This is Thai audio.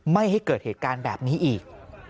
ไม่ให้เกิดเหตุการณ์แบบนี้อีก